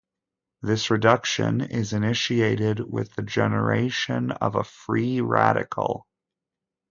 This reduction is initiated with the generation of a free radical.